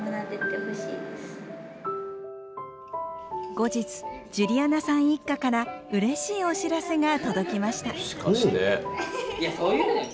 後日ジュリアナさん一家からうれしいお知らせが届きました。